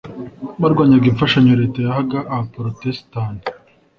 barwanyaga imfashanyo Leta yahaga abaporotesitanti